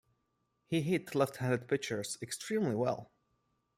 He hit left-handed pitchers extremely well.